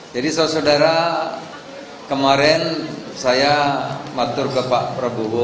jadi saudara saudara kemarin saya matur ke pak prabowo